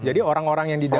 jadi orang orang yang di dalam